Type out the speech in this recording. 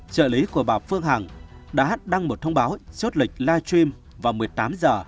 trợ lý của bà phương hằng đã đăng một thông báo chốt lịch live stream